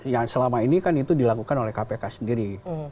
yang selama ini kan itu dilakukan oleh kpk sendiri